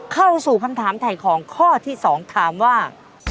เข้าสู่คำถามแถมของข้อที่สองถามว่า